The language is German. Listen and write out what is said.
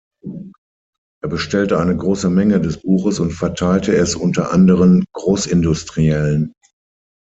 Er bestellte eine große Menge des Buches und verteilte es unter anderen Großindustriellen.